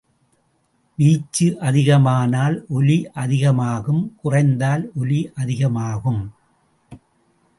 வீச்சு அதிகமானால் ஒலி அதிகமாகும் குறைந்தால் ஒலி அதிகமாகும்.